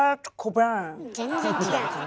全然違う。